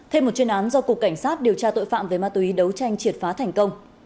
thêm một chuyên án do cục cảnh sát điều tra tội phạm về ma túy đấu tranh triệt phá thành công